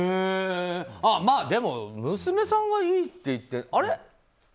まあ、でも娘さんはいいって言って。